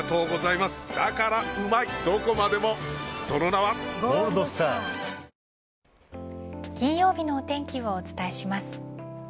松江容疑者は金曜日のお天気をお伝えします。